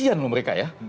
ini kebijakan mereka ya